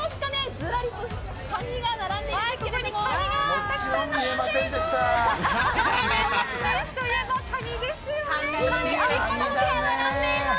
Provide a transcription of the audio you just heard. ずらりとカニが並んでいます。